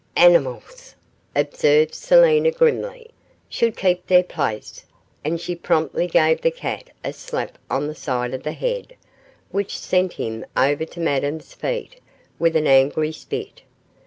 'Animals,' observed Selina, grimly, 'should keep their place;' and she promptly gave the cat a slap on the side of the head, which sent him over to Madame's feet, with an angry spit.